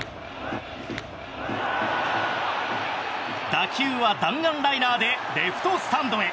打球は弾丸ライナーでレフトスタンドへ。